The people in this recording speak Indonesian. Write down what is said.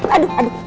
eh aduh aduh aduh